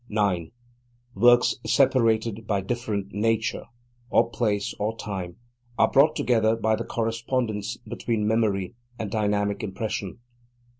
9. Works separated by different nature, or place, or time, are brought together by the correspondence between memory and dynamic impression.